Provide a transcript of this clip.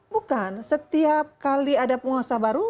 bukan setiap kali ada penguasa baru